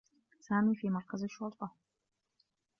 سامي في مركز الشّرطة.